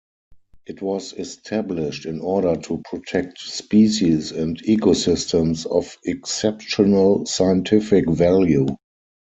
It was established in order to protect species and ecosystems of exceptional scientific value.